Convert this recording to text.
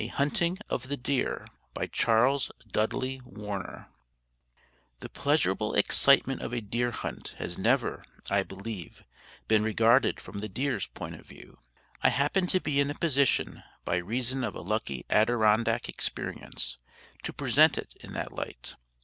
A HUNTING OF THE DEER By Charles Dudley Warner The pleasurable excitement of a deer hunt has never, I believe, been regarded from the deer's point of view. I happen to be in a position, by reason of a lucky Adirondack experience, to present it in that light.